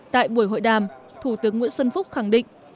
tại buổi hội đàm thủ tướng nguyễn xuân phúc khẳng định